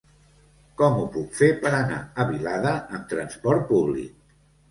Com ho puc fer per anar a Vilada amb trasport públic?